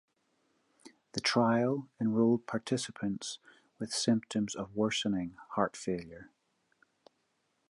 The trial enrolled participants with symptoms of worsening heart failure.